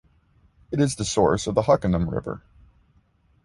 It is the source of the Hockanum River.